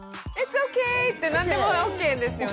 って何でもＯＫですよね。